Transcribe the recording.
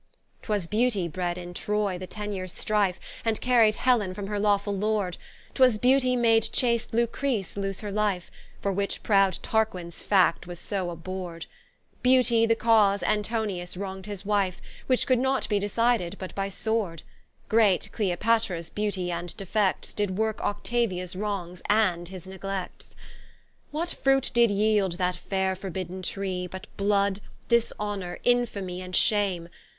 Twas Beautie bred in Troy the ten yeares strife, And carried Hellen from her lawfull Lord; Twas Beautie made chaste Lucrece loose her life, For which prowd Tarquins fact was so abhorr'd: Beautie the cause Antonius wrong'd his wife, Which could not be decided but by sword: Great Cleopatraes Beautie and defects Did worke Octaviaes wrongs, and his neglects. What fruit did yeeld that faire forbidden tree, But blood, dishonour, infamie, and shame?